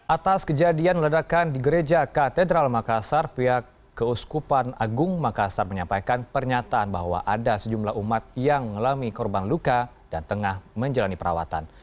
atas kejadian ledakan di gereja katedral makassar pihak keuskupan agung makassar menyampaikan pernyataan bahwa ada sejumlah umat yang mengalami korban luka dan tengah menjalani perawatan